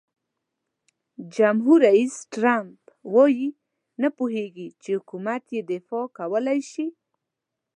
جمهور رئیس ټرمپ وایي نه پوهیږي چې حکومت دفاع کولای شي.